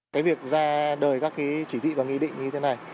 cái việc ra đời các cái chỉ thị và nghị định như thế này